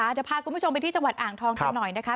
เดี๋ยวพาคุณผู้ชมไปที่จังหวัดอ่างทองกันหน่อยนะคะ